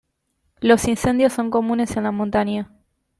Los incendios son comunes en la montaña.